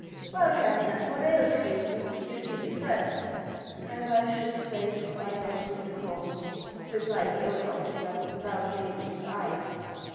" Well, Captain, what ails you ? You seem depressed." " And I should say I had good cause," replied the old officer, without raising his eyes.